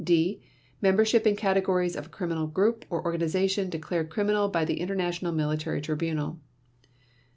. "(d) Membership in categories of a criminal group or organization declared criminal by the International Military Tribunal.